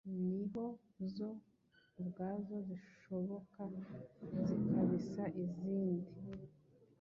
niho zo ubwazo zisohoka zikabisa izindi